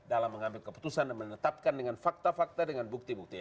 dalam mengambil keputusan dan menetapkan dengan fakta fakta dengan bukti bukti